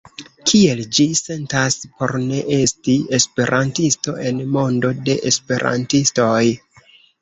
Kiel ĝi sentas por ne esti esperantisto en mondo de esperantistoj?